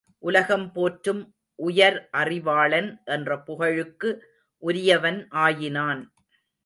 உலகம் போற்றும் உயர் அறிவாளன் என்ற புகழுக்கு உரியவன் ஆயினான்.